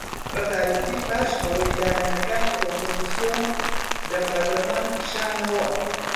بەتایبەتی پاش ئەوەی لایەنەکانی ئۆپۆزسیۆن لە پەرلەمان کشانەوە